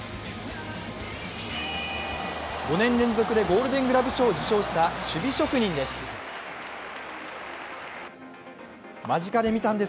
５年連続でゴールデングラブ賞を受賞した守備職人です。